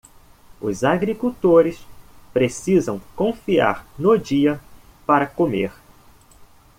Os agricultores precisam confiar no dia para comer